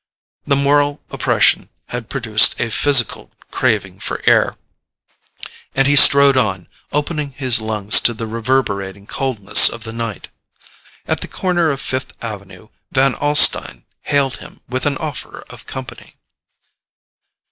The moral oppression had produced a physical craving for air, and he strode on, opening his lungs to the reverberating coldness of the night. At the corner of Fifth Avenue Van Alstyne hailed him with an offer of company.